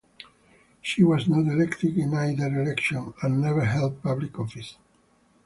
She was not elected in either election, and never held public office.